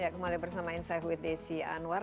kembali bersama insight with desi anwar